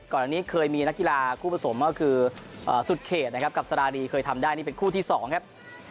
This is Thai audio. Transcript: ก่อนอันนี้เคยมีนักกีฬาคู่ผสมก็คือสุดเขตนะครับกับสาราดีเคยทำได้นี่เป็นคู่ที่๒ครับ